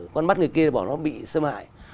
con mắt người kia bảo nó bị xâm hại